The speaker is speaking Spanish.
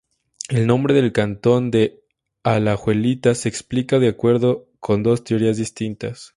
El nombre del cantón de Alajuelita se explica de acuerdo con dos teorías distintas.